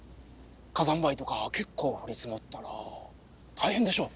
火山灰とか結構降り積もったら大変でしょう？